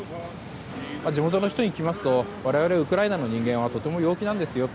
地元の人に聞きますと我々ウクライナの人間はとても陽気なんですよと。